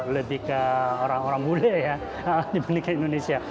lebih ke orang orang budaya ya dibandingkan indonesia